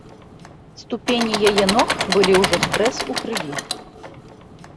Ступені яе ног былі ўжо спрэс у крыві.